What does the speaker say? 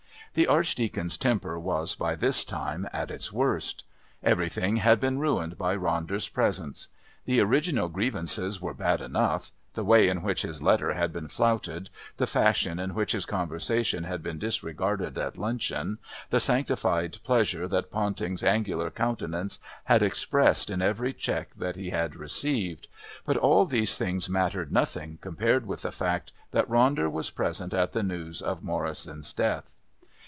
The Archdeacon's temper was, by this time, at its worst. Everything had been ruined by Ronder's presence. The original grievances were bad enough the way in which his letter had been flouted, the fashion in which his conversation had been disregarded at luncheon, the sanctified pleasure that Ponting's angular countenance had expressed at every check that he had received; but all these things mattered nothing compared with the fact that Ronder was present at the news of Morrison's death.